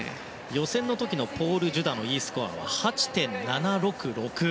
予選の時のポール・ジュダのＥスコアは８．７６６。